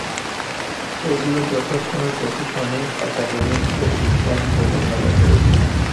এগুলো যথাক্রমে প্রশাসনিক, একাডেমিক ও বিজ্ঞান ভবন নামে পরিচিত।